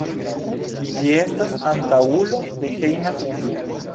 Ĝi estas antaŭulo de hejma hundo.